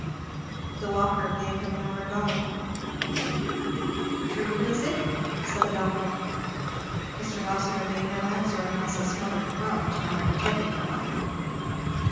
The walker gave him no regard. "True, is it?" said the doctor. Mr. Rossitur made no answer, unless a smothered grunt might be taken for one.